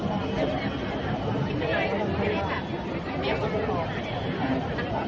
อันที่สุดท้ายก็คืออั